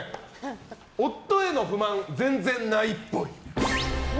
夫への不満全然ないっぽい。